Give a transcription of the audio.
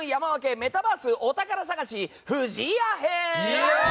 メタバースお宝さがし不二家編！